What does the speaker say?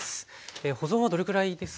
保存はどれくらいですか？